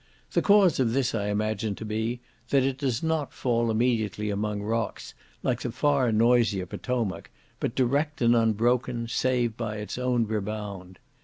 The cause of this, I imagine to be, that it does not fall immediately among rocks, like the far noisier Potomac, but direct and unbroken, save by its own rebound.